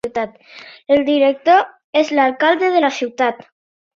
El director és l'alcalde de la ciutat.